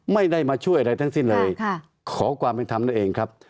ไม่ได้มาช่วยอะไรทั้งสิ้นเลยขอความเป็นธรรมนั่นเองครับ